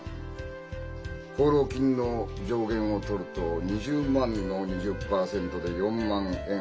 報労金の上限をとると２０万の２０％で４万円。